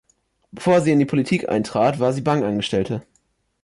Bevor sie in die Politik eintrat, war sie Bankangestellte.